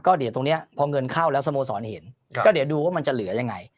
เดี๋ยวตรงนี้พอเงินเข้าแล้วสโมสรเห็นก็เดี๋ยวดูว่ามันจะเหลือยังไง